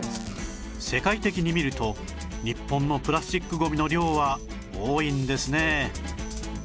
世界的に見ると日本のプラスチックゴミの量は多いんですね